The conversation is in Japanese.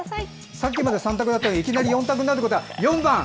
さっきまで３択だったのにいきなり４択になるってことは４番！